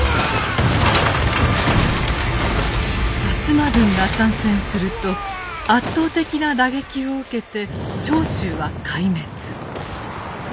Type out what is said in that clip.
摩軍が参戦すると圧倒的な打撃を受けて長州は壊滅。